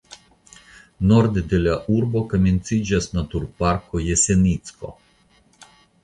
Norde de la urbo komenciĝas naturparko Jesenicko.